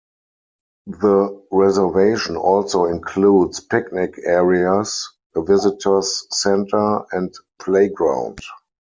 The reservation also includes picnic areas, a visitors center, and playground.